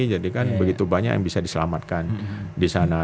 jadi kan begitu banyak yang bisa diselamatkan di sana